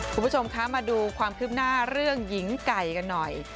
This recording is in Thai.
คุณผู้ชมคะมาดูความคืบหน้าเรื่องหญิงไก่กันหน่อย